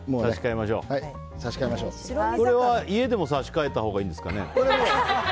これは家でも差し替えたほうがいいんですかね？